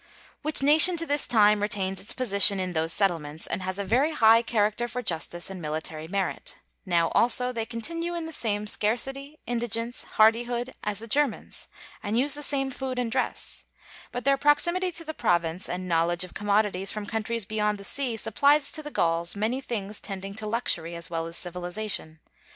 Which nation to this time retains its position in those settlements, and has a very high character for justice and military merit: now also they continue in the same scarcity, indigence, hardihood, as the Germans, and use the same food and dress; but their proximity to the Province and knowledge of commodities from countries beyond the sea supplies to the Gauls many things tending to luxury as well as civilization.